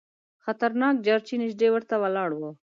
خطرناک جارچي نیژدې ورته ولاړ وو.